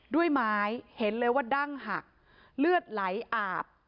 ด้วยไม้เห็นเลยว่าดั้งหักเลือดไหลอาบ